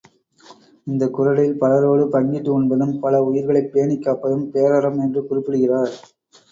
இந்தக் குறளில் பலரோடு பங்கிட்டு உண்பதும், பல உயிர்களைப் பேணிக் காப்பதும் பேரறம் என்று குறிப்பிடுகிறார்.